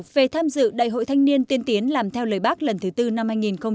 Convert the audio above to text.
về tham dự đại hội thanh niên tiên tiến làm theo lời bác lần thứ tư năm hai nghìn hai mươi